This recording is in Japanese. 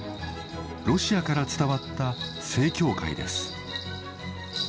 ロシアから伝わった正教会です。